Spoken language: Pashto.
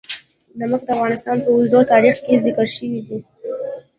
نمک د افغانستان په اوږده تاریخ کې ذکر شوی دی.